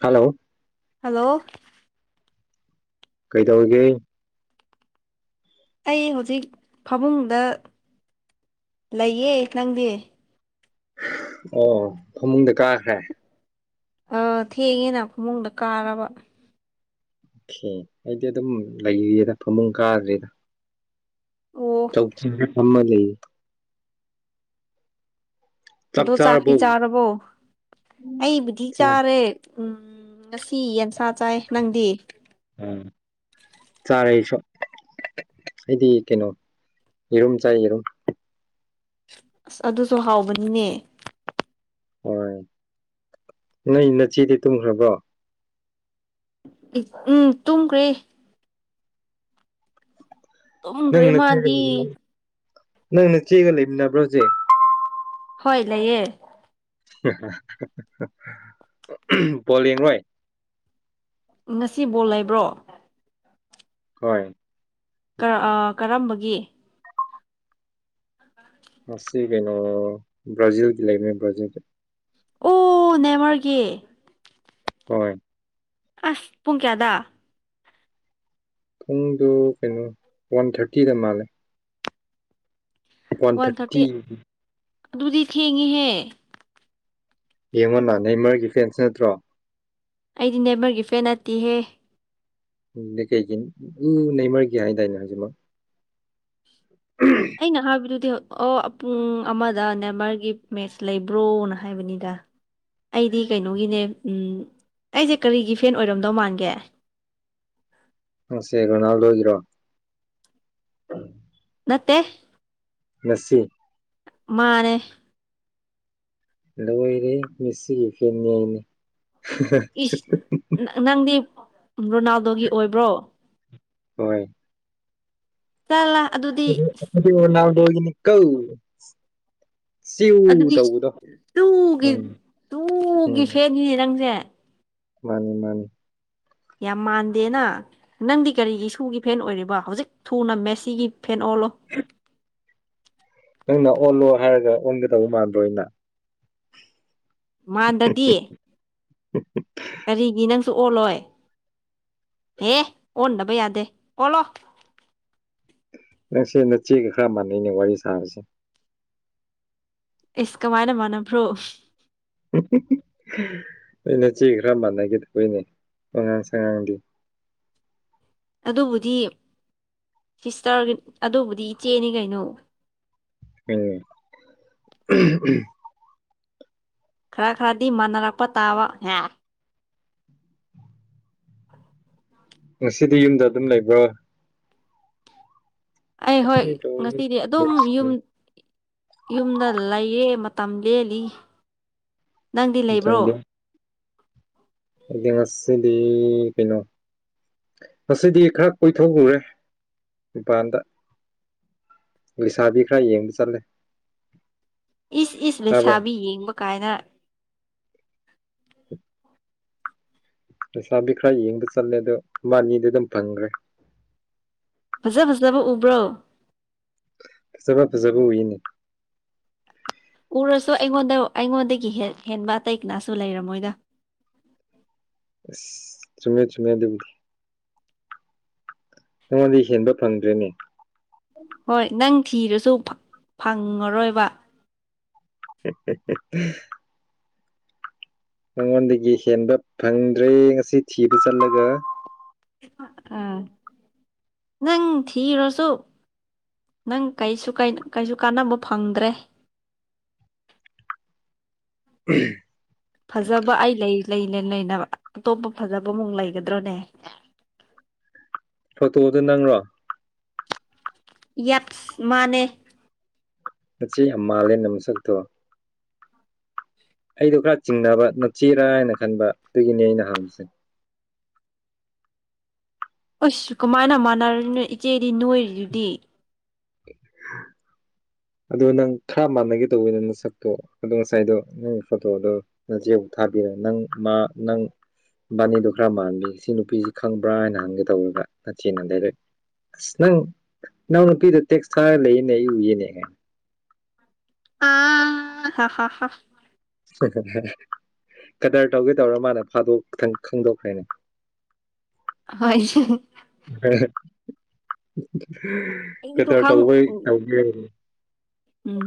hello hello ꯀꯩꯗꯧꯔꯤꯒꯦ ꯑꯩ ꯍꯧꯖꯤꯛ ꯐꯃꯨꯡꯗ ꯂꯩꯌꯦ ꯅꯪꯗꯤ ꯑꯣ ꯐꯃꯨꯡꯗ ꯀꯥꯈ꯭ꯔꯦ ꯑ ꯊꯦꯡꯉꯦꯅ ꯈꯃꯨꯡꯗ ꯀꯥꯔꯕ ꯑꯣꯀꯦ ꯑꯩꯗꯤ ꯑꯗꯨꯝ ꯂꯩꯔꯤꯦꯗ ꯐꯃꯨꯡ ꯀꯥꯗ꯭ꯔꯦꯗ ꯑꯣ ꯆꯧꯊ ꯊꯝꯃ ꯂꯩꯌꯦ ꯑꯗꯣ ꯆꯥꯛꯇꯤ ꯆꯥꯔꯕꯣ ꯑꯩꯕꯨꯗꯤ ꯆꯥꯔꯦ ꯎꯝ ꯉꯁꯤ ꯌꯦꯟꯁꯥ ꯆꯥꯏ ꯅꯪꯗꯤ ꯎꯝ ꯆꯥꯔꯁꯨ ꯑꯩꯗꯤ ꯀꯩꯅꯣ ꯏꯔꯝ ꯆꯥꯏ ꯌꯦꯔꯝ ꯑꯁ ꯑꯗꯨꯁꯨ ꯍꯥꯎꯕꯅꯤꯅꯦ ꯍꯣꯏ ꯅꯣꯏ ꯅꯆꯤꯗꯤ ꯇꯨꯝꯈ꯭ꯔꯕꯣ ꯎꯝ ꯇꯨꯝꯈ꯭ꯔꯦ ꯇꯨꯝꯈ꯭ꯔꯦ ꯅꯪꯅ ꯊ ꯃꯥꯗꯤ ꯅꯪꯅ ꯊꯦꯒ ꯂꯩꯃꯤ ꯅꯕ꯭ꯔꯣꯖꯦ ꯍꯣꯏ ꯂꯩꯌꯦ ꯄꯣꯂꯤ ꯅꯣꯏ ꯉꯁꯤ ꯕꯣꯜ ꯂꯩꯕ꯭ꯔꯣ ꯀꯣꯏ ꯀꯔꯝꯕꯒꯤ ꯃꯁꯤ ꯀꯩꯅꯣ ꯕ꯭ꯔꯥꯖꯤꯜꯒꯤ ꯂꯩꯃꯦ ꯕ꯭ꯔꯥꯖꯤꯜꯗ ꯑꯣ ꯅꯦꯃꯔꯒꯤ ꯍꯣꯏ ꯑꯁ ꯄꯨꯡ ꯀꯌꯥꯗ ꯄꯨꯡꯗꯣ ꯀꯩꯅꯣ ꯋꯥꯟ ꯊꯥꯔꯇꯤꯗ ꯃꯥꯜꯂꯦ ꯋꯥꯟ ꯊꯥꯔꯇꯤ ꯑꯗꯨꯗꯤ ꯊꯦꯡꯉꯤꯍꯦ ꯌꯦꯡꯉꯣ ꯅꯅꯥ ꯅꯪ ꯃꯔꯛꯀꯤ ꯐꯦꯟꯁ ꯅꯠꯇ꯭ꯔꯣ ꯑꯩꯗꯤ ꯅꯦꯕꯔꯒꯤ ꯐꯦꯟ ꯅꯠꯇꯤꯍꯦ ꯎ ꯂꯩ ꯀꯩꯒꯤꯅꯤ ꯎ ꯅꯃꯔꯒꯤꯦ ꯍꯥꯏꯗꯥꯏꯅꯦ ꯍꯧꯖꯤꯛꯃꯛ ꯑꯩꯅ ꯍꯥꯏꯕꯗꯨꯗꯤ ꯑꯣ ꯄꯨꯡ ꯑꯃꯗ ꯅꯦꯃꯔꯒꯤ ꯃꯦꯁ ꯂꯩꯕ꯭ꯔꯣꯅ ꯍꯥꯏꯕꯅꯤꯗ ꯑ ꯑꯩꯗꯤ ꯀꯩꯅꯣꯒꯤꯅꯦ ꯑꯩꯁꯦ ꯀꯔꯤꯒꯤ ꯐꯦꯟ ꯑꯣꯏꯔꯝꯗꯧ ꯃꯥꯟꯒꯦ ꯁꯦ ꯀꯅꯥ ꯂꯖꯔꯣ ꯈꯠꯇꯦ ꯃꯁꯤꯁꯤ ꯃꯥꯅꯦꯦ ꯂꯣꯏꯔꯦ ꯃꯤꯁꯤꯒꯤ ꯐꯤꯟ ꯌꯥꯏꯅꯤ ꯏꯁ ꯅꯪꯗꯤ ꯔꯣꯅꯥꯜꯗꯣꯒꯤ ꯑꯣꯏꯕ꯭ꯔꯣ ꯍꯣꯏ ꯆꯂ ꯒꯤꯅꯤ ꯀ ꯑꯗꯨꯗꯤ ꯇꯨꯒꯤ ꯎꯝ ꯇꯨꯒꯤ ꯎꯝ ꯐꯦꯟꯅꯤꯅꯦ ꯅꯪꯁꯦ ꯃꯥꯅꯤ ꯃꯥꯅꯤ ꯌꯥꯝ ꯃꯥꯟꯗꯦꯅ ꯅꯪꯗꯤ ꯀꯔꯤꯒꯤ ꯁꯨꯒꯤ ꯐꯦꯟ ꯑꯣꯏꯔꯤꯕꯣ ꯍꯧꯖꯤꯛ ꯊꯨꯅ ꯃꯦꯁꯤꯒꯤ ꯐꯦꯟ ꯑꯣꯂꯣ ꯅꯪꯅ ꯑꯣꯜꯂꯣ ꯍꯥꯏꯔꯒ ꯑꯣꯟꯒꯗꯧꯕ ꯃꯥꯟꯗ꯭ꯔꯣꯅ ꯃꯗꯗꯤ ꯎꯝ ꯎꯝ ꯀꯔꯤꯒꯤ ꯅꯪꯁꯨ ꯑꯣꯜꯂꯣꯏ ꯍꯦ ꯑꯣꯟꯅꯕꯩ ꯌꯥꯗꯦ ꯀꯣꯂꯣ ꯅ ꯁꯤ ꯅꯆꯦꯒ ꯈꯔ ꯃꯥꯟꯅꯩꯅꯦ ꯋꯥꯔꯤ ꯁꯥꯔꯁꯦ ꯏꯁꯀꯃꯥꯏꯅ ꯃꯅ ꯐ꯭ꯔꯣ ꯅ ꯅ ꯆꯦ ꯈꯔ ꯃꯥꯟꯅꯈꯤꯦꯗ ꯑꯩꯏꯅꯦ ꯍꯅ ꯆꯉꯒꯗꯤ ꯑꯗꯣ ꯎꯖꯤꯝ ꯁꯤꯁꯇꯔꯒꯤ ꯑꯗꯨꯕꯨꯗꯤ ꯏꯆꯦꯅꯤ ꯀꯩꯅꯣ ꯎꯝ ꯈꯔ ꯈꯔꯗꯤ ꯃꯥꯟꯅꯔꯛꯄ ꯇꯥꯕ ꯉꯁꯤꯗꯤ ꯌꯨꯝꯗ ꯑꯗꯨꯝ ꯂꯩꯕ꯭ꯔꯣ ꯑꯩ ꯍꯣꯏ ꯉꯁꯤꯗꯤ ꯑꯗꯨꯝ ꯌꯨꯝ ꯌꯨꯝꯗ ꯂꯩꯌꯦꯦ ꯃꯇꯝ ꯂꯦꯜꯂꯤ ꯅꯪꯗꯤ ꯂꯩꯕ꯭ꯔꯣ ꯑꯦꯗꯤ ꯉꯁꯤꯗꯤ ꯄꯅꯣ ꯉꯗꯤ ꯈꯔ ꯀꯣꯏꯊꯣꯛꯎꯨꯔꯦ ꯃꯄꯥꯟꯗ ꯂꯩꯁꯥꯕꯤ ꯈꯔ ꯌꯦꯡꯕ ꯆꯠꯂꯦ ꯏꯁ ꯏꯁ ꯇꯥꯕ꯭ꯔꯣ ꯂꯩꯁꯥꯕꯤ ꯌꯦꯡꯕ ꯀꯥꯏꯅ ꯄꯩꯁꯥꯕꯤ ꯈꯔ ꯌꯦꯡꯕ ꯆꯠꯂꯦ ꯑꯗꯣ ꯃꯥꯅꯤꯗꯤ ꯑꯗꯨꯝ ꯐꯪꯈ꯭ꯔꯦ ꯐꯖ ꯐꯖꯕ ꯎꯕ꯭ꯔꯣ ꯐꯖꯕ ꯐꯖꯕ ꯎꯏꯅꯦ ꯎꯔꯁꯨ ꯑꯩꯉꯣꯟꯗ ꯑꯩꯉꯣꯟꯗꯒꯤ ꯍꯦꯟꯕ ꯑꯇꯩ ꯀꯅꯥꯁꯨ ꯂꯩꯔꯝꯃꯣꯏꯗ ꯆꯃꯤ ꯆꯨꯝꯃꯦꯥꯏ ꯑꯗꯨꯧ ꯅꯉꯣꯟꯗꯤ ꯍꯦꯟꯕ ꯐꯪꯗ꯭ꯔꯤꯅꯦ ꯍꯣꯏ ꯅꯪ ꯊꯤꯔꯁꯨ ꯐꯪꯉꯔꯣꯏꯕ ꯍ ꯃꯉꯣꯟꯗꯒꯤ ꯍꯦꯟꯕ ꯐꯪꯗ꯭ꯔꯦ ꯉꯁꯤ ꯊꯤꯕ ꯆꯠꯂꯒ ꯑ ꯅꯪ ꯊꯤꯔꯁꯨꯣ ꯅꯪ ꯀ ꯀꯩꯁꯨ ꯀꯥꯟꯅꯕ ꯐꯪꯗ꯭ꯔꯦ [inaudible] ꯎ ꯐꯖꯕ ꯑꯩ ꯂꯩ ꯂꯩꯅꯦ ꯑꯇꯣꯞꯄ ꯐꯖꯕꯃꯨꯛ ꯂꯩꯒꯗ꯭ꯔꯣꯅꯦ ꯐꯣꯇꯣꯗ ꯅꯪꯔꯣ ꯌꯦꯠ ꯃꯥꯅꯦ ꯅꯆꯦ ꯑꯃ ꯃꯥꯥꯜꯂꯦ ꯅꯝꯁꯛꯇꯣ ꯑꯩꯗꯣ ꯈꯔ ꯆꯤꯡꯅꯕ ꯅꯨꯡꯁꯤꯔꯥ ꯍꯥꯏꯅ ꯈꯟꯕ ꯑꯗꯨꯒꯤꯅꯤ ꯑꯩꯅ ꯍꯪꯁꯦ [inaudible] ꯑꯁꯁꯨ ꯀꯃꯥꯏꯅ ꯃꯥꯟꯅꯔꯅꯣ ꯏꯆꯦꯗꯤ ꯅꯣꯏꯔꯤꯗꯨꯗꯤ [inaudible] ꯑꯗꯨꯗꯣ ꯅꯪ ꯈꯔ ꯃꯥꯟꯅꯒꯦ ꯇꯧꯕꯤ ꯅꯪ ꯅ ꯁꯛꯇꯣ ꯑꯗꯨꯗꯣ ꯉꯁꯥꯏꯗꯣ ꯅꯪꯒꯤ ꯐꯣꯇꯣꯗꯣ ꯅ ꯆꯦꯕꯨꯨꯛ ꯊ ꯕꯤꯔꯦ ꯅꯪ ꯃꯥ ꯅꯪ ꯕꯥꯅꯤꯗꯣ ꯈꯔ ꯃꯥꯟꯕꯤ ꯁꯤ ꯅꯨꯄꯤꯁꯤ ꯈꯪꯕ꯭ꯔꯥ ꯍꯥꯏꯅ ꯍꯪꯒꯦ ꯇꯧꯋꯦꯕ ꯅꯆꯦꯅꯗꯩꯗꯣꯏ ꯑꯁ ꯅꯪ ꯅꯪ ꯅꯨꯄꯤꯗ ꯇꯦꯛꯁ ꯊꯥꯔꯒ ꯂꯩꯌꯦꯅꯦ ꯑꯩ ꯎꯏꯅꯦ ꯑ ꯍ ꯍ ꯍ ꯁ ꯀꯇꯔ ꯇꯧꯒꯦ ꯇꯧꯔ ꯃꯥꯅ ꯐꯥꯗꯣꯛ ꯈꯪꯗꯣꯛꯈ꯭ꯔꯦꯅꯦ ꯍꯣꯏ ꯑꯩꯗꯣ ꯀꯇꯔ ꯈꯪ ꯇꯧꯕꯩ ꯇꯒ ꯎꯝ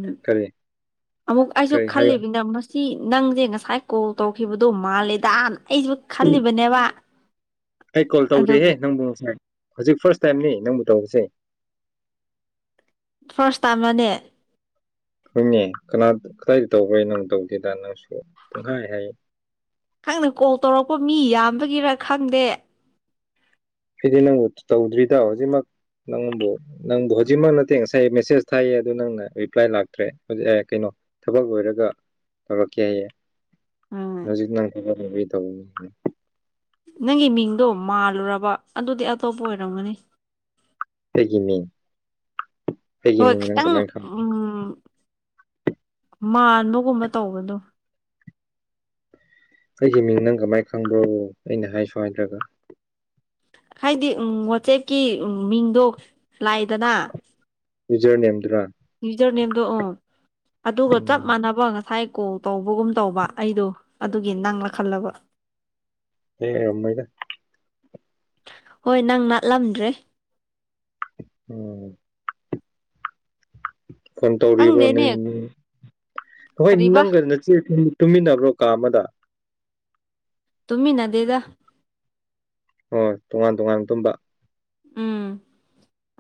ꯑꯃꯨꯛ ꯑꯥꯏꯁꯨ ꯀꯔꯤ ꯈꯜꯦ ꯍꯥꯏꯌꯣ ꯄ ꯁꯤ ꯅꯪꯁꯦ ꯉꯁꯥꯏ ꯀꯣꯜ ꯇꯧꯈꯤꯕꯗꯣ ꯃꯥꯂꯦꯗꯅ ꯑꯩꯁꯨ ꯈꯜꯂꯤꯕꯅꯦꯕ ꯑꯩ ꯀꯣꯜ ꯇꯧꯗꯦꯍꯦ ꯑꯗꯨꯒ ꯅꯪꯕꯨꯅꯨꯡꯁꯥꯏ ꯍꯧꯖꯤꯛ ꯐꯥꯔꯁ ꯇꯥꯏꯝꯅꯤ ꯅꯪꯕꯨ ꯇꯧꯕꯁꯦ ꯐꯥꯔꯁ ꯇꯥꯝ ꯑꯅꯦ ꯅꯪꯅꯦ ꯀꯅꯥ ꯀꯗꯥꯏꯗ ꯇꯧꯕ꯭ꯔꯦ ꯅꯪ ꯇꯧꯗꯦꯗ ꯅꯪꯁꯨ ꯄꯨꯡꯈꯥꯏ ꯍꯥꯏ ꯅꯪꯅ ꯀꯣꯜ ꯇꯧꯔꯛꯄ ꯃꯤ ꯌꯥꯝꯕꯒꯤꯔ ꯈꯪꯗꯦ ꯁꯤꯗꯤ ꯅꯪꯕꯨ ꯇꯧꯗ꯭ꯔꯤꯗ ꯍꯧꯖꯤꯛꯃꯛ ꯅꯪꯕꯨ ꯅꯪꯕꯨ ꯍꯧꯖꯤꯛꯃꯛ ꯅꯠꯇꯦ ꯉꯁꯥꯏ ꯃꯦꯁꯦꯁ ꯊꯥꯏꯌꯦ ꯑꯗꯨ ꯅꯪꯅ ꯔꯤꯄ꯭ꯂꯥꯏ ꯂꯥꯛꯇ꯭ꯔꯦ ꯀꯩꯅꯣ ꯊꯕꯛ ꯂꯣꯏꯔꯒ ꯇꯧꯔꯛꯀꯦ ꯍꯥꯏꯌꯦꯦ ꯎꯝ ꯍꯧꯖꯤꯛꯅꯥꯪ ꯈꯕꯔ ꯊ ꯅꯪꯒꯤ ꯃꯤꯡꯗꯣ ꯃꯥꯜꯂꯨꯔꯕ ꯑꯗꯨꯗꯤ ꯑꯇꯣꯞꯄ ꯑꯣꯏꯔꯝꯒꯅꯤ ꯂꯩꯒꯤꯅꯤ ꯍꯣꯏ ꯈꯤꯇꯪ ꯎꯝ ꯃꯥꯟꯕꯒꯨꯝꯕ ꯇꯧꯕꯗꯣ ꯑꯩꯒꯤ ꯃꯤꯡ ꯅꯪ ꯀꯃꯥꯏꯅ ꯈꯪꯕꯣ ꯑꯩꯅ ꯍꯥꯏꯁꯨ ꯍꯥꯏꯗ꯭ꯔꯒ ꯍꯥꯏꯗꯤ ꯋꯥꯆꯦꯞꯀꯤ ꯃꯤꯡꯗꯣ ꯂꯥꯏꯗꯅ ꯖꯔꯅꯤ꯭ꯔꯥ ꯅ꯭ꯌꯨꯖꯔꯂꯗꯣ ꯎ ꯑꯗꯨꯒ ꯆꯞ ꯎꯝ ꯃꯥꯟꯅꯕ ꯉꯁꯥꯏ ꯀꯣꯜ ꯇꯧꯕꯒꯨꯝ ꯇꯧꯕ ꯑꯩꯗꯣ ꯑꯗꯨꯒꯤ ꯅꯪꯂꯪꯂꯛ ꯈꯜꯂꯕ ꯍ ꯃꯥꯏꯗ ꯍꯣꯏ ꯅꯪ ꯉꯠꯂꯝꯗ꯭ꯔꯦ ꯎꯝ ꯐꯣꯟ ꯇꯧꯔꯤꯕ꯭ꯔꯣ ꯈꯪꯗꯦꯅꯦ ꯅꯪ ꯍꯣꯏ ꯀꯔꯤꯕ ꯅꯪꯒꯗ ꯅꯦ ꯇꯨꯃꯤꯟꯅꯕ꯭ꯔꯣ ꯀꯥ ꯑꯃꯗ ꯇꯨꯃꯤ ꯅꯗꯦꯗ ꯍꯣꯏ ꯇꯣꯉꯥꯟ ꯇꯣꯉꯥꯟꯕ ꯇꯝꯕ ꯎꯝ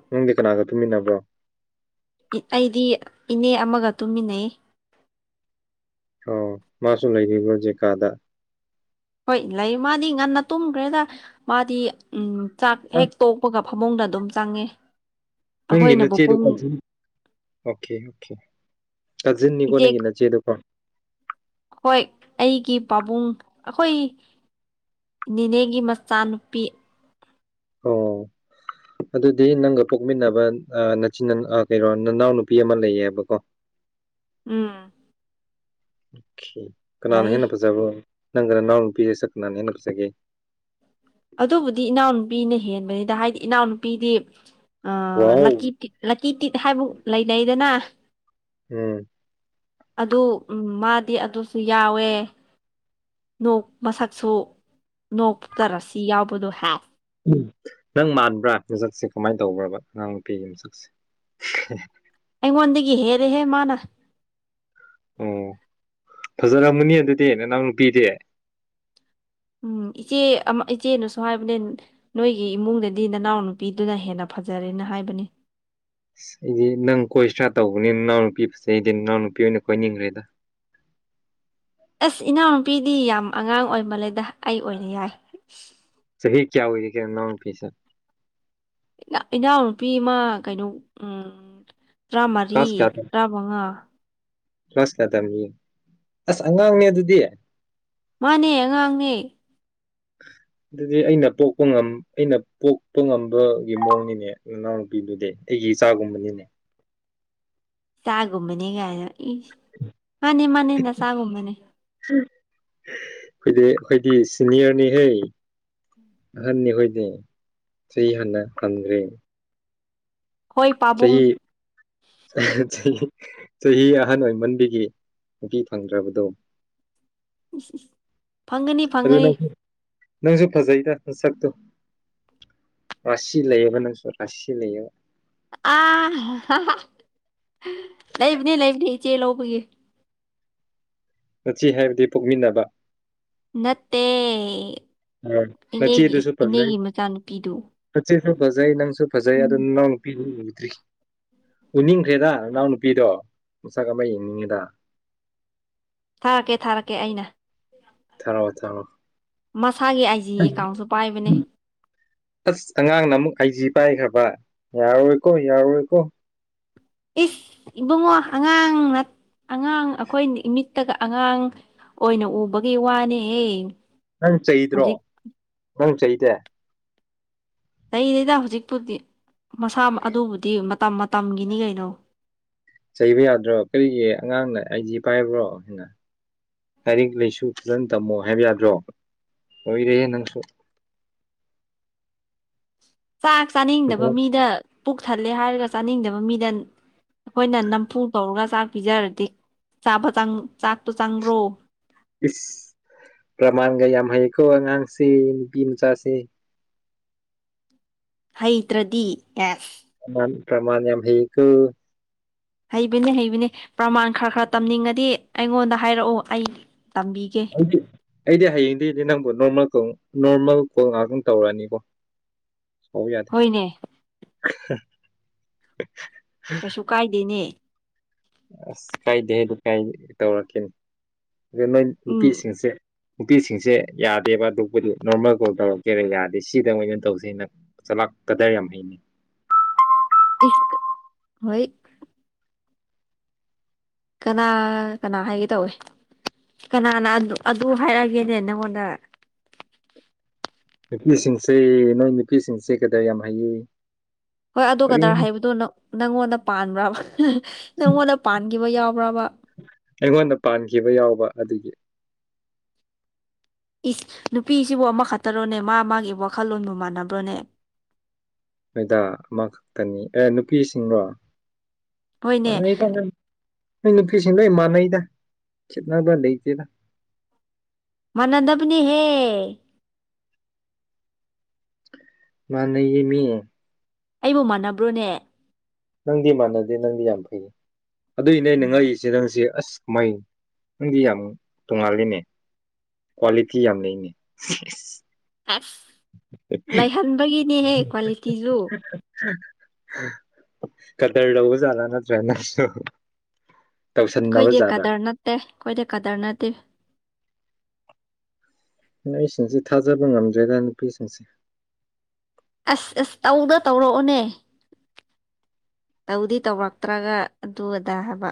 ꯅꯪꯒꯤ ꯀꯅꯥꯒ ꯇꯨꯝꯃꯤꯟꯅꯕ꯭ꯔꯣ ꯑꯩꯗꯤ ꯏꯅꯦ ꯑꯃꯒ ꯇꯨꯝꯃꯤꯟꯅꯩ ꯑꯣ ꯃꯥꯁꯨ ꯂꯩꯕꯤꯕ꯭ꯔꯣ ꯖꯦꯀꯥꯗ ꯍꯣꯏ ꯂꯩ ꯃꯥꯗꯤ ꯉꯟꯅ ꯇꯨꯝꯈ꯭ꯔꯦꯗ ꯃꯥꯗꯤ ꯎ ꯆꯥꯛ ꯍꯦꯛ ꯇꯣꯛꯄꯒ ꯐꯃꯨꯡꯗ ꯑꯗꯨꯝ ꯆꯪꯉꯤ ꯅꯪꯒꯤꯦ ꯅꯆꯦꯗꯨꯀꯥꯟ ꯑꯣꯀꯦ ꯑꯣꯦ ꯀꯖꯤꯟꯅꯤ ꯏꯆꯦ ꯀꯣꯟꯅꯒꯤꯅ ꯆꯦꯗꯨꯀꯣ ꯍꯣꯏ ꯑꯩꯒꯤ ꯄꯥꯕꯨꯡ ꯑꯩꯈꯣꯏ ꯅꯦꯅꯤꯅꯦꯒꯤ ꯃꯆꯥꯅꯨꯄꯤ ꯑꯣ ꯑꯗꯨꯗꯤ ꯅꯪꯒ ꯄꯣꯛꯃꯤꯟꯅꯕ ꯅꯆꯤꯟ ꯀꯩꯅꯣ ꯅꯅꯥꯎꯅ ꯅꯨꯄꯤ ꯑꯃ ꯂꯩꯌꯦꯕꯀꯣ [inaudible] ꯎꯝ ꯑꯣ ꯀꯅꯥꯅ ꯂꯩ ꯍꯦꯟꯅ ꯐꯖꯕꯔꯣ ꯅꯪꯒꯅ ꯅꯅꯥꯎ ꯅꯨꯄꯤꯔ ꯅꯥꯟꯦꯅꯁꯒꯤꯦ ꯑꯗꯨꯕꯨꯗꯤ ꯏꯅꯥꯎꯅꯨꯄꯤꯅ ꯍꯦꯟꯕꯅꯤꯗ ꯍꯥꯏꯗꯤ ꯏꯅꯥꯎꯅꯨꯄꯤꯗꯤ ꯑ ꯋꯥꯎ ꯂꯛ ꯂꯛꯀꯤ ꯇꯤꯠ ꯍꯥꯏꯕꯨ ꯂꯩ ꯂꯩꯩꯗꯅ ꯍꯝ ꯑꯗꯨ ꯎ ꯃꯥꯗꯤ ꯑꯗꯨꯁꯨ ꯌꯥꯎꯋꯦ ꯅꯣꯛ ꯃꯁꯛꯁꯨ ꯅꯣꯛꯛꯇꯔꯁꯤ ꯌꯥꯎꯕꯗꯣ ꯍꯥꯏꯦꯛ ꯎ ꯅꯪ ꯃꯥꯟꯕ꯭ꯔꯥ ꯃꯤꯁꯛꯁꯦ ꯀꯃꯥꯏꯅ ꯇꯧꯕ꯭ꯔꯕ ꯑꯉꯥꯡ ꯅꯨꯨꯄꯤꯒꯤ ꯃꯤꯁꯛꯁꯦ ꯃꯗꯒꯤ ꯍꯦꯔꯦ ꯍꯦ ꯃꯥꯅ ꯑꯣ ꯐꯖꯔꯝꯃꯅꯤ ꯑꯗꯨꯗꯤ ꯅꯅꯥꯎ ꯅꯨꯄꯤꯗꯤ ꯎꯝ ꯏꯆꯦ ꯑꯃ ꯏꯆꯦꯅꯁꯨ ꯍꯥꯏꯕꯅꯦ ꯅꯣꯏꯒꯤ ꯏꯃꯨꯡꯗꯗꯤ ꯅꯅꯥꯎ ꯅꯨꯄꯤꯗꯨꯅ ꯍꯦꯟꯅ ꯐꯩ ꯐꯖꯔꯦꯅ ꯍꯥꯏꯕꯅꯤ [inaudible] ꯑꯁ ꯑꯩꯗꯤ ꯅꯪ ꯀꯣꯏ ꯏꯁꯔꯥ ꯇꯧꯕꯅꯤ ꯅꯅꯥꯎ ꯅꯨꯄꯤ ꯐꯖꯩꯗꯤ ꯅꯅꯥꯎ ꯅꯨꯄꯤ ꯑꯣꯏꯅ ꯀꯣꯏꯅꯤꯡꯈ꯭ꯔꯦꯗ ꯑꯁ ꯏꯅꯥꯎꯅꯨꯄꯤꯗꯤ ꯌꯥꯝ ꯑꯉꯥꯡ ꯑꯣꯏꯃꯜꯂꯦꯗ ꯑꯩ ꯑꯣꯏꯅ ꯌꯥꯏ ꯑ ꯆꯍꯤ ꯆꯍꯤ ꯀꯌꯥ ꯑꯣꯏ ꯀ ꯅ ꯐꯤꯁꯦ ꯏꯅꯥꯎꯅꯨꯄꯤ ꯑꯃ ꯀꯩꯅꯣ ꯎꯝ ꯄ꯭ꯔꯥꯃꯔꯤ ꯀ꯭ꯂꯥꯁ ꯔꯥꯕꯉꯥ ꯂꯣꯁꯀꯗꯕꯅꯤ ꯑꯁ ꯑꯉꯥꯡꯅꯦ ꯑꯗꯨꯗꯤ ꯃꯥꯅꯦ ꯑꯉꯥꯡꯅꯦ [unintelligible] [inaudible] ꯑꯗꯨꯗꯤ ꯑꯩꯅ ꯄꯣꯛꯄ ꯉ ꯑꯩꯅ ꯄꯣꯛꯄ ꯉꯝꯕꯒꯤ ꯃꯑꯣꯡꯅꯤꯅꯦ ꯏꯅꯥꯎꯅꯨꯄꯤꯗꯨꯗꯤ ꯑꯩꯒꯤ ꯏꯆꯥꯒꯨꯝꯕꯅꯤꯅꯦ ꯆꯒꯨꯝ ꯃꯅꯤꯒꯅ ꯏ ꯃꯥꯅꯤ ꯃꯅꯤꯅ ꯁꯒꯨꯝ ꯃꯅꯤ ꯍꯣꯏꯗꯦ ꯑꯩꯣꯏꯗꯤ ꯁꯤꯅꯤꯌꯔꯅꯤꯍꯩ ꯑꯍꯟꯅꯤꯈꯣꯏꯅꯦ ꯆꯍꯤ ꯍꯥꯟꯅ ꯍꯟꯈ꯭ꯔꯦ ꯍꯣꯏ ꯄꯥꯕꯨꯡ ꯆꯍꯤ ꯆꯍꯤ ꯆꯍꯤ ꯑꯍꯟ ꯑꯣꯏꯃꯟꯕꯤꯒꯤ ꯅꯨꯄꯤ ꯐꯪꯗ꯭ꯔꯕꯗꯣ ꯐꯪꯒꯅꯤ ꯑꯗꯨ ꯐꯪꯒꯅꯤ ꯅꯪ ꯅꯪꯁꯨ ꯐꯖꯩꯗ ꯁꯛꯇꯨ ꯔꯥꯁꯤ ꯂꯩꯌꯦꯕ ꯅꯪꯁꯨꯣ ꯔꯥꯁꯤ ꯂꯩꯌꯦꯕ ꯑ ꯂꯩꯕꯅꯤ ꯂꯩꯕꯅꯤ ꯏꯆꯦ ꯂꯧꯕꯒꯤ ꯅꯁꯤ ꯍꯥꯏꯕꯗꯤ ꯄꯨꯣꯛꯃꯤꯟꯅꯕ ꯅꯠꯇꯦ ꯏꯅꯦꯒꯤ ꯅꯆꯦꯗꯨꯁꯨ ꯏꯅꯦꯒꯤ ꯃꯆꯥꯅꯨꯄꯤꯗꯨ ꯅꯪꯁꯨ ꯐꯖꯩ ꯅꯪꯁꯨ ꯐꯖꯩ ꯑꯗꯨ ꯎꯝ ꯅꯅꯥꯎ ꯅꯨꯄꯤꯅꯤ ꯎꯗ꯭ꯔꯤ ꯎꯅꯤꯡꯈ꯭ꯔꯦꯗ ꯅꯅꯥꯎ ꯅꯨꯄꯤꯗꯣ ꯃꯁꯛ ꯑꯃ ꯌꯦꯡꯅꯤꯡꯉꯤꯗ ꯊꯥꯔꯛꯀꯦ ꯊꯥꯔꯛꯀꯦ ꯑꯩꯅ ꯊꯔꯣ ꯊꯥꯔꯣ ꯃꯁꯥꯒꯤ ꯑꯥꯏ ꯖꯤ ꯑꯦꯀꯥꯎꯟꯁꯨ ꯄꯥꯏꯕꯅꯦ ꯑꯁ ꯑꯉꯥꯡꯅ ꯑꯃꯨꯛ ꯑꯩꯥꯏꯖꯤ ꯄꯥꯏꯈ꯭ꯔꯕ ꯌꯥꯔꯔꯣꯏꯀꯣ ꯌꯥꯔꯔꯣꯏꯀꯣ ꯏꯁ ꯏꯕꯨꯡꯉꯣ ꯑꯉꯥꯡꯅ ꯑꯉꯥꯡ ꯑꯩꯈꯣꯏ ꯃꯤꯠꯇꯒ ꯑꯉꯥꯡ ꯑꯣꯏꯅ ꯎꯕꯒꯤ ꯋꯥꯅꯦꯍꯦ ꯅꯪ ꯆꯩꯗ꯭ꯔꯣ ꯍꯧꯖꯤꯛ ꯅꯪ ꯆꯩꯗꯦ ꯂꯩꯗꯩꯗ ꯍꯧꯖꯤꯛꯄꯥꯎꯗꯤ ꯃꯁꯥ ꯑꯗꯨꯕꯨꯗꯤ ꯃꯇꯝ ꯃꯇꯝꯒꯤꯅꯤ ꯀꯩꯅꯣ ꯆꯩꯕ ꯌꯥꯗ꯭ꯔꯣ ꯀꯔꯤꯒꯤ ꯑꯉꯥꯡꯅ ꯑꯩꯥꯏꯗꯤ ꯄꯥꯏꯕ꯭ꯔꯣ ꯍꯥꯏꯅ ꯂꯥꯏꯔꯤꯛ ꯂꯩꯁꯨ ꯐꯈꯤꯇꯪ ꯇꯝꯃꯣ ꯍꯥꯏꯕ ꯌꯥꯗ꯭ꯔꯣ ꯂꯔꯦ ꯅꯪꯁꯨ ꯆꯥꯛ ꯆꯥꯅꯤꯡꯗꯕ ꯃꯤꯗ ꯄꯨꯛ ꯊꯜꯂꯦ ꯍꯥꯏꯔꯒ ꯆꯥꯅꯤꯡꯗꯕ ꯃꯤꯗ ꯑꯩꯈꯣꯏꯅ ꯅꯝꯐꯨ ꯇꯧꯔꯒ ꯆꯥꯛ ꯄꯤꯖꯔꯗꯤꯥꯕ ꯆꯥꯛꯇꯣ ꯆꯪꯕ꯭ꯔꯣ ꯏꯁ ꯄ꯭ꯔꯥꯃꯥꯟꯒ ꯌꯥꯝ ꯍꯥꯏꯌꯦꯀꯣꯉꯥꯡꯁꯤ ꯏꯄꯤ ꯃꯆꯥꯁꯤ ꯍꯩꯇ꯭ꯔꯗꯤ ꯑꯦꯁ ꯄꯃ ꯌꯥꯝ ꯍꯤ ꯀ ꯍꯩꯕꯅꯤ ꯍꯩꯕꯤꯅꯦ ꯄ꯭ꯔꯃꯥꯟ ꯈꯔ ꯈꯔ ꯇꯝꯅꯤꯡꯉꯗꯤ ꯑꯩꯉꯣꯟꯗ ꯍꯥꯏꯔꯛꯑꯣ ꯑꯩ ꯇꯝꯕꯤꯒꯦ ꯑꯩꯗꯤ ꯑꯩꯗꯤ ꯍꯌꯦꯡꯗꯤꯗꯤ ꯅꯪꯕꯨꯣ ꯅꯣꯔꯃꯜ ꯀꯣ ꯅꯣꯔꯃꯦꯜ ꯀꯣꯜ ꯉꯥꯛꯇꯪ ꯇꯧꯔꯛꯑꯅꯤꯀꯣ ꯁꯥꯎꯕ ꯌꯥꯗꯦ ꯍꯣꯏꯅꯦ [unintelligible] [inaudible] ꯀꯩꯁꯨ ꯀꯥꯏꯗꯦꯅꯦ ꯑꯁ ꯀꯥꯏꯗꯦ ꯑꯗꯨ ꯀꯥꯏ ꯇꯧꯔꯛꯀꯅꯤ ꯑꯗꯨꯗ ꯅꯣꯏ ꯎꯝ ꯅꯨꯄꯤꯁꯤꯡꯁꯦ ꯅꯨꯄꯤꯁꯤꯡꯁꯦ ꯌꯥꯗꯦꯕ ꯑꯗꯨꯕꯨꯗꯤ ꯅꯣꯔꯃꯦꯜ ꯀꯣꯜ ꯇꯧꯔꯛꯀꯦꯔ ꯌꯥꯗꯦ ꯁꯤꯗ ꯃꯩꯅ ꯇꯧꯁꯦꯅ ꯀꯗꯥꯏ ꯌꯥꯝ ꯑꯩꯅꯤ ꯍꯣꯏ [inaudible] ꯀꯅꯥ ꯀꯅꯥ ꯍꯥꯏꯒꯦ ꯇꯧꯋꯦ ꯀꯅꯥꯅ ꯑꯗꯨ ꯍꯥꯏꯔꯛꯑꯒꯦꯅꯦ ꯅꯪꯉꯣꯟꯗ ꯅꯨꯄꯤꯁꯤꯡꯁꯦ ꯅꯣꯏ ꯅꯨꯄꯤꯁꯤꯡꯁꯦ ꯀꯗ ꯌꯥꯝ ꯍꯩꯌꯦ ꯍꯣꯏ ꯑꯗꯨ ꯀꯔꯤꯅꯣ ꯀꯗꯥꯔ ꯍꯥꯏꯕꯗꯣꯪ ꯅꯪꯉꯣꯟꯗ ꯄꯥꯟꯕ꯭ꯔꯥ ꯅꯪꯉꯣꯟꯗ ꯄꯥꯟꯈꯤꯕ ꯌꯥꯎ ꯑꯩꯉꯣꯟꯗ ꯄꯥꯟꯈꯤꯕ ꯌꯥꯎꯕ ꯑꯗꯨꯒꯤ ꯏꯁ ꯅꯨꯄꯤꯁꯤꯕꯨ ꯑꯃ ꯈꯛꯇꯔꯣꯅꯦ ꯃꯥ ꯃꯥꯒꯤ ꯋꯥꯈꯜꯂꯣꯟꯕꯨ ꯃꯥꯟꯅꯕ꯭ꯔꯣꯅꯦ ꯃꯣꯏꯗꯥ ꯑꯃꯈꯛꯇꯅꯤ ꯑꯦ ꯅꯨꯄꯤꯁꯤꯡꯔꯣ ꯍꯣꯏꯅꯦ ꯃꯅ ꯄꯁꯤ ꯂꯩ ꯃꯅꯗ ꯆꯠꯅꯗ ꯂꯩꯇꯗ ꯃꯅꯥꯗꯕꯅꯤ ꯍꯦ ꯃꯥꯅꯌꯦ ꯃꯤ ꯑꯩꯕꯨ ꯃꯥꯟꯅꯕ꯭ꯔꯣꯅꯦ ꯅꯪꯗꯤ ꯃꯥꯟꯅꯗꯦ ꯅꯪꯗꯤ ꯌꯥꯝ ꯐꯩꯌꯦ ꯑꯗꯨꯏꯅꯦ ꯑꯩꯅ ꯎꯝ ꯉꯛꯏꯁꯦ ꯅꯪꯁꯦ ꯑꯁ ꯃꯣꯏ ꯅꯪꯗꯤ ꯌꯥꯝ ꯇꯣꯉꯥꯜꯂꯤꯅꯦ ꯀ꯭ꯋꯥꯂꯤꯇꯤ ꯌꯥꯝ ꯂꯩꯅꯦ ꯑꯁ ꯂꯩꯍꯟꯕꯒꯤꯅꯦꯍꯦ ꯀ꯭ꯋꯥꯂꯤꯇꯤꯖ ꯀꯗꯔ ꯂꯧꯕ ꯆꯂ ꯅꯠꯇ꯭ꯔꯦꯅꯁꯨ ꯑꯩꯈꯣꯏꯗꯤ ꯇꯧꯁꯟꯅꯅꯕꯖꯥꯔꯅꯤ ꯀꯗꯔ ꯅꯠꯇꯦ ꯑꯩꯈꯣꯏꯗꯤ ꯀꯇꯔ ꯅꯠꯇꯦ ꯑꯩꯁꯤꯡꯁ ꯊꯥꯖꯕ ꯉꯝꯗ꯭ꯔꯦꯗ ꯅꯨꯄꯤꯁꯤꯡꯁꯦ ꯑꯁ ꯑꯦꯁ ꯇꯧꯗ ꯇꯧꯔꯛꯑꯣꯅꯦ ꯇꯧꯗꯤ ꯇꯧꯔꯛꯇ꯭ꯔꯒ ꯑꯗꯨ ꯑꯗꯥ ꯍꯥꯏꯕ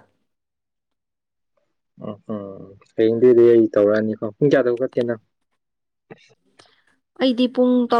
ꯎꯝ ꯎꯝ ꯍꯌꯦꯡꯗꯤꯗꯤ ꯑꯩ ꯇꯧꯔꯛꯑꯅꯤꯀꯣ ꯄꯨꯡ ꯀꯌꯥꯗꯧ ꯀꯠꯇꯦꯅ [unintelligible] ꯗꯤ ꯄꯨꯡ ꯇꯧ